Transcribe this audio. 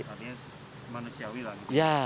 artinya manusiawi lah